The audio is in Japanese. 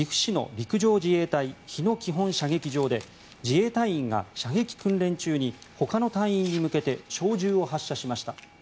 陸上自衛隊日野基本射撃場で自衛隊員が射撃訓練中にほかの隊員に向けて小銃を発射しました。